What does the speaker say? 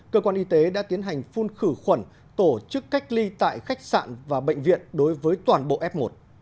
cơ quan y tế đã tiến hành phun khử khuẩn tổ chức cách ly tại khách sạn và bệnh viện đối với toàn bộ f một